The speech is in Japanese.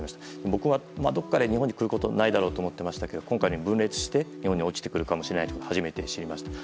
僕はどこかで日本に来ることはないだろうと思っていましたが今回で分裂して落ちてくる可能性があるということを初めて知りました。